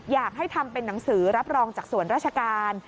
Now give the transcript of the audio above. อยากให้ทำเป็นหนังสือรับรองจากส่วนราชการ